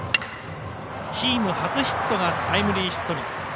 チーム初ヒットがタイムリーヒットに。